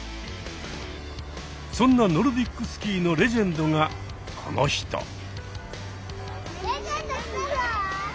そんなノルディックスキーのレジェンドがこの人。